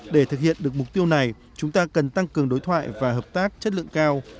để thực hiện được mục tiêu này chúng ta cần tăng cường đối thoại và hợp tác chất lượng cao